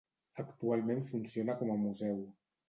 Actualment funciona com a museu.